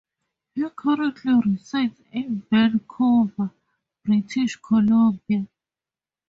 He currently resides in Vancouver, British Columbia.